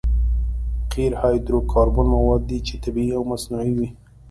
قیر هایدرو کاربن مواد دي چې طبیعي او مصنوعي وي